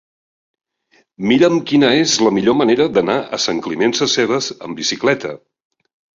Mira'm quina és la millor manera d'anar a Sant Climent Sescebes amb bicicleta.